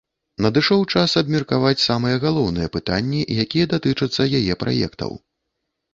Надышоў час абмеркаваць самыя галоўныя пытанні, якія датычацца яе праектаў.